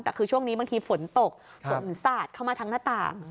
แต่คือช่วงนี้บางทีฝนตกฝนสาดเข้ามาทั้งหน้าต่าง